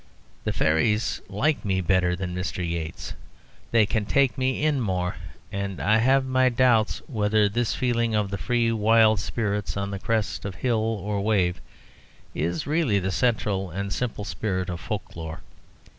The fairies like me better than Mr. Yeats; they can take me in more. And I have my doubts whether this feeling of the free, wild spirits on the crest of hill or wave is really the central and simple spirit of folk lore.